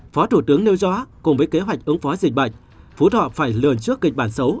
phó thủ tướng nêu rõ cùng với kế hoạch ứng phó dịch bệnh phú thọ phải lường trước kịch bản xấu